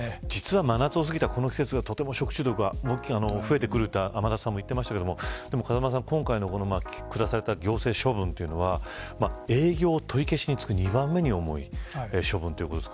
実は真夏を過ぎたこの季節は食中毒は増えてくると天達さんも言っていましたが風間さん、今回の下された行政処分というのは営業取り消しに次ぐ、２番目に重い処分ということです。